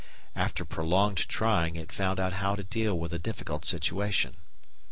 After prolonged trying it found out how to deal with a difficult situation.